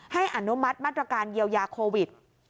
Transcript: อนุมัติมาตรการเยียวยาโควิด